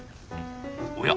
おや？